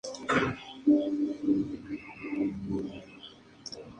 El macho en plumaje reproductivo es inconfundible.